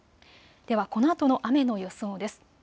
ではこのあとの雨の予想です。